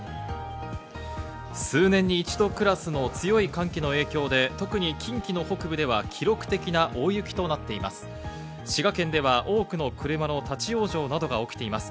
数年に一度クラスの強い寒気の影響で特に近畿の北部では記録的な大雪となっています。